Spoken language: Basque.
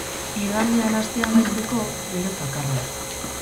Igandean astea amaitzeko, bero zakarra.